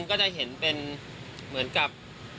ก็จะเห็นเหมือนกับ